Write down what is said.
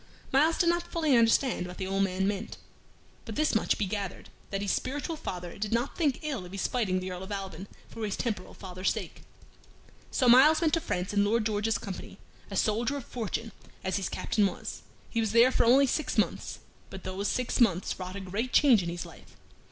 Myles did not fully understand what the old man meant, but this much he gathered, that his spiritual father did not think ill of his fighting the Earl of Alban for his temporal father's sake. So Myles went to France in Lord George's company, a soldier of fortune, as his Captain was. He was there for only six months, but those six months wrought a great change in his life.